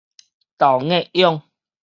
豆莢蛹